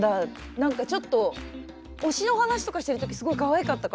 なんかちょっと推しの話とかしてる時すごいかわいかったから。